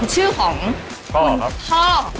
ชื่อของคุณท่อครับ